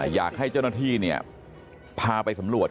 อยากให้เจ้าหน้าที่พาไปสำรวจ